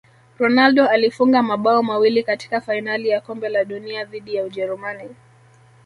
ronaldo alifunga mabao mawili katika fainali ya kombe la dunia dhidi ya ujerumani